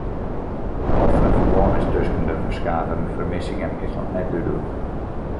Oft der in ferbân is tusken de ferskate fermissingen is noch net dúdlik.